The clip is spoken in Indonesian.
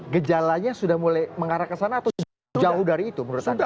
gejalanya sudah mulai mengarah ke sana atau jauh dari itu menurut anda